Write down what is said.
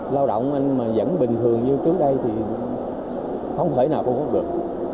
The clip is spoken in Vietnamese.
lao động mà vẫn bình thường như trước đây thì không thể nào có được